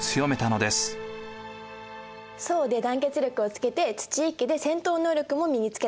惣で団結力をつけて土一揆で戦闘能力も身につけた。